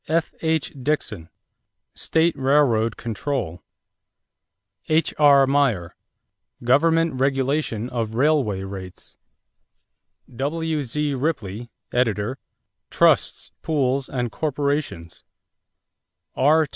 F.H. Dixon, State Railroad Control. H.R. Meyer, Government Regulation of Railway Rates. W.Z. Ripley (editor), Trusts, Pools, and Corporations. R.